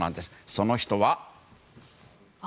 その人は。